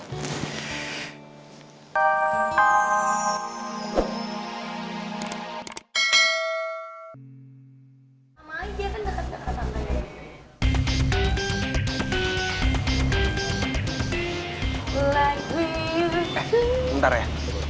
eh bentar ya